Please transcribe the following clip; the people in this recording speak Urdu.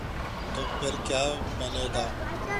تو پھر کیابنے گا؟